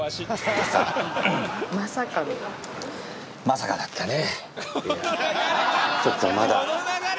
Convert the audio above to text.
まさかの。